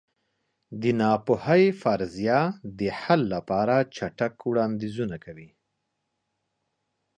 د ناپوهۍ فرضیه د حل لپاره چټک وړاندیزونه کوي.